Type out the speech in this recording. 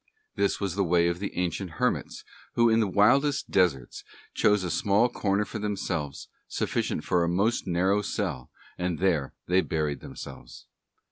This was the way of the ancient hermits who in the wildest deserts chose a small corner for themselves, sufficient for a most narrow cell, and there they buried themselves.